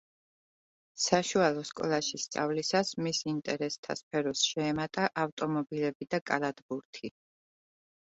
საშუალო სკოლაში სწავლისას მის ინტერესთა სფეროს შეემატა ავტომობილები და კალათბურთი.